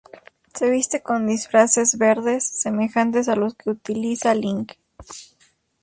Se viste con disfraces verdes, semejantes a los que utiliza Link.